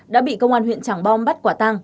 đã bị công an huyện tràng bom bắt quả tăng